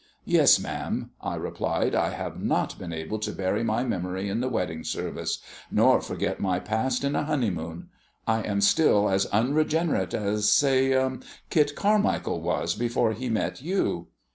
"Yes, ma'am," I replied, "I have not been able to bury my memory in the wedding service, nor forget my past in a honeymoon. I am still as unregenerate as, say, Kit Carmichael was before he met you."